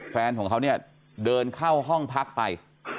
แฟนของเขาเนี่ยเดินเข้าห้องพักไป